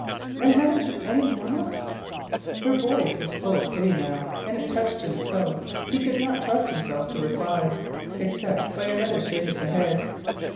"And haven't you any mamma?" Her voice was full of pity now, and it touched him so he could not trust himself to reply, except by another shake of the head.